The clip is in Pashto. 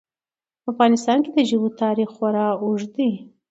په افغانستان کې د ژبو تاریخ خورا اوږد دی.